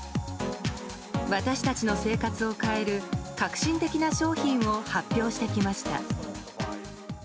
私たちの生活を変える革新的な商品を発表してきました。